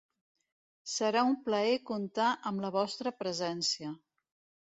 Serà un plaer contar amb la vostra presència.